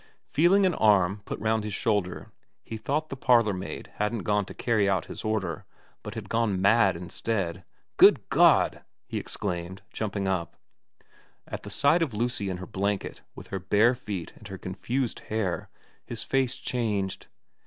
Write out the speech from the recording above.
Feeling an arm put round his shoulder he thought the parlourmaid hadn't gone to carry out his order, but had gone mad instead. ' Good God !' he exclaimed, jumping up. At the sight of Lucy in her blanket, with her bare feet and her confused hair, his face changed.